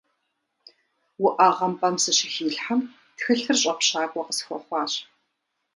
УӀэгъэм пӀэм сыщыхилъхьэм, тхылъыр щӀэпщакӀуэ къысхуэхъуащ.